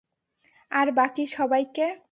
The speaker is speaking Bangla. আর বাকি সবাইকে?